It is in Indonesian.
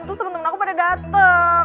terus teman teman aku pada datang